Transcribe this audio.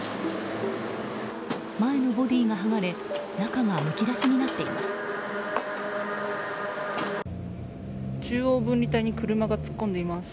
前のボディーが剥がれ中がむき出しになっています。